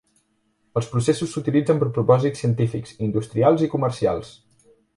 Els processos s'utilitzen per propòsits científics, industrials i comercials.